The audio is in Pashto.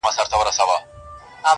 زما او ستا دي له دې وروسته شراکت وي.!